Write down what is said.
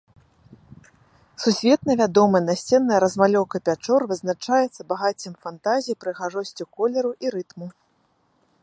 Сусветна вядомая насценная размалёўка пячор вызначаецца багаццем фантазіі, прыгажосцю колеру і рытму.